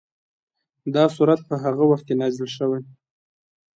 دا سورت په هغه وخت کې نازل شوی.